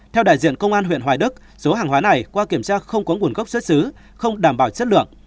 theo đại diện công an huyện hoài đức số hàng hóa này qua kiểm tra không có nguồn gốc xuất xứ không đảm bảo chất lượng